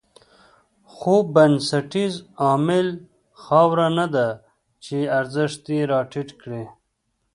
خو بنسټیز عامل خاوره نه ده چې ارزښت یې راټيټ کړی.